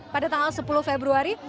pada tanggal sepuluh februari